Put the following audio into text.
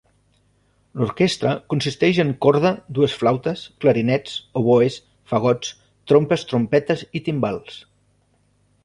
L'orquestra consisteix en corda, dues flautes, clarinets, oboès, fagots, trompes, trompetes i timbals.